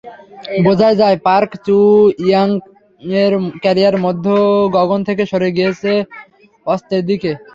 বোঝাই যায় পার্ক চু-ইয়াংয়ের ক্যারিয়ার মধ্যগগন থেকে সরে গেছে অস্তের দিকে।